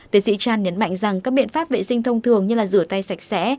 tiến sĩ chan nhấn mạnh rằng các biện pháp vệ sinh thông thường như rửa tay sạch sẽ